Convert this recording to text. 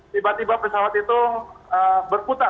tiba tiba pesawat itu berputar